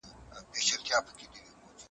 عبدالباري جهاني د تاريخي پېښو تله ښه لېږدوي.